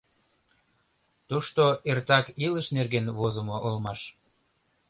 Тушто эртак илыш нерген возымо улмаш.